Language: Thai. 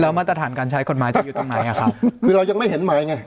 มาตรฐานการใช้กฎหมายจะอยู่ตรงไหนอ่ะครับคือเรายังไม่เห็นหมายไง